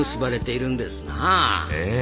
ええ。